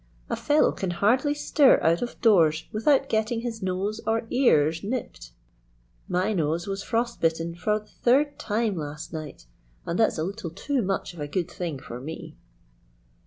"A fellow can hardly stir out of doors without getting his nose or ears nipped. My nose was frost bitten for the third time last night, and that's a little too much of a good thing for me."